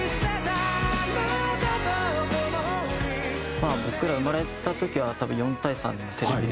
まあ僕ら生まれた時は多分４対３のテレビで。